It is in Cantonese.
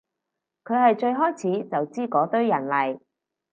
佢係最開始就知嗰堆人嚟